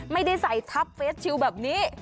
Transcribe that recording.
ไม่ได้ใส่ทับเฟสชิลแบบนี้